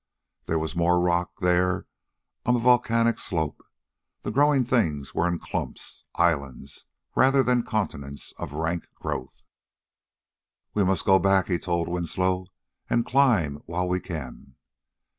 There was more rock there on the volcanic slope: the growing things were in clumps islands, rather than continents of rank growth. "We must go back," he told Winslow, "and climb while we can.